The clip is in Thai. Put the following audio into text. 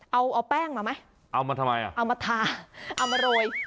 เอาเอาแป้งมาไหมเอามาทำไมอ่ะเอามาทาเอามาโรย